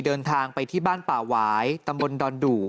เดินทางไปที่บ้านป่าหวายตำบลดอนดู่